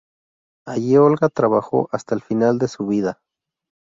Allí Olga trabajó hasta el final de su vida.